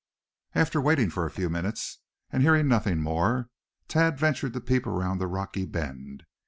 After waiting for a few minutes, and hearing nothing more, Thad ventured to peep around the rocky bend.